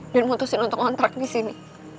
dan mutusin untuk ngontrak disini